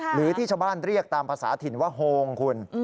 หรือที่ชาวบ้านเรียกตามภาษาถิ่นว่าโฮงคุณ